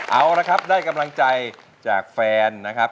เอาละครับได้กำลังใจจากแฟนนะครับ